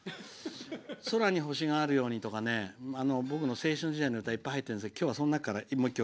「空に星があるように」とか僕の青春時代の歌がいっぱい入ってるんですけど今日は、その中からもう１曲。